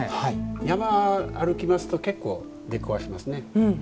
山を歩きますと結構、出くわしますね。